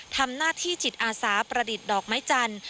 ทำหน้าที่จิตอาสาประดิษฐ์ดอกไม้จันทร์